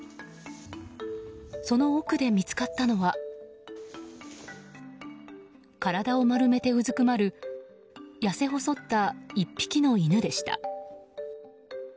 その奥で見つかったのは体を丸めてうずくまる痩せ細った１匹のイヌでした。